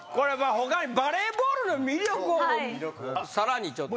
他にバレーボールの魅力をさらにちょっと。